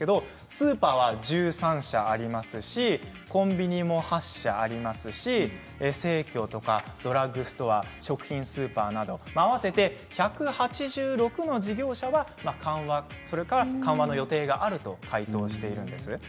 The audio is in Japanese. スーパーは１３社コンビニは８社生協とかドラッグストア食品スーパーなど合わせて１８６の事業者は緩和するか緩和の予定があると回答しているんです。